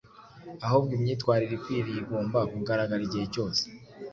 Ahubwo imyitwarire ikwiriye igomba kugaragara igihe cyose